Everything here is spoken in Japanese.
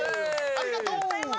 ありがとう！